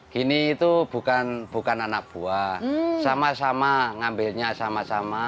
gini itu bukan anak buah sama sama ngambilnya sama sama